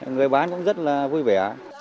người bán cũng rất là vui vẻ